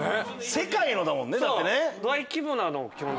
「世界の」だもんねだってね。